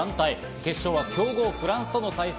決勝は強豪フランスとの対戦。